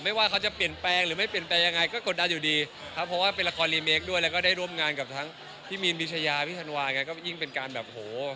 ว่าเขาจะเปลี่ยนแปลงหรือไม่เปลี่ยนแปลงยังไงก็กดดันอยู่ดีครับเพราะว่าเป็นละครรีเมคด้วยแล้วก็ได้ร่วมงานกับทั้งพี่มีนพิชยาพี่ธันวาแกก็ยิ่งเป็นการแบบโห